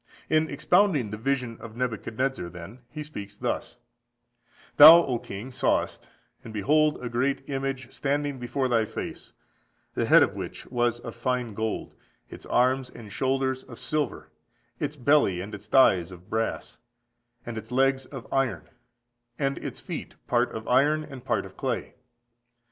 In expounding the vision of Nebuchadnezzar, then, he speaks thus: "Thou, O king, sawest, and behold a great image standing before thy face: the head of which was of fine gold, its arms and shoulders of silver, its belly and its thighs of brass, and its legs of iron, (and) its feet part of iron and part of clay.